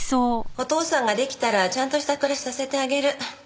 お父さんが出来たらちゃんとした暮らしさせてあげる。